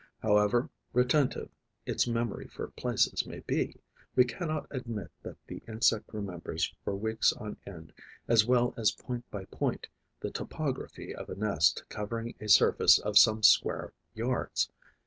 However retentive its memory for places may be, we cannot admit that the insect remembers for weeks on end, as well as point by point, the topography of a nest covering a surface of some square yards.